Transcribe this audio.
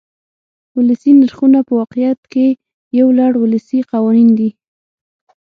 ولسي نرخونه په واقعیت کې یو لړ ولسي قوانین دي.